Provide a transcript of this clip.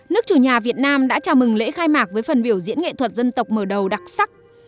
nước chủ nhà việt nam đã chào mừng lễ khai mạc với phần biểu diễn nghệ thuật dân tộc mở đầu đặc sắc